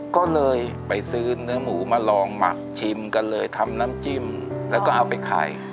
ก็เลยไปซื้อเนื้อหมูมาลองหมักชิมกันเลยทำน้ำจิ้มแล้วก็เอาไปขาย